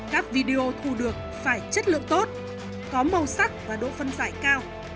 các video thu được phải chất lượng tốt có màu sắc và độ phân giải cao